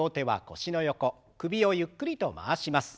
首をゆっくりと回します。